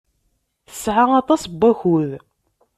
Tesɛa aṭas n wakud.